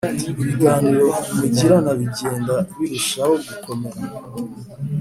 ibiganiro mugirana bigenda birushaho gukomera.